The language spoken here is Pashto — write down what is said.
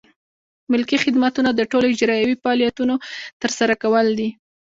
ملکي خدمتونه د ټولو اجرایوي فعالیتونو ترسره کول دي.